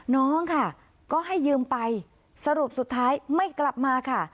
น้องค่ะก็ให้ยืมไปสรุปสุดท้ายไม่กลับมาค่ะ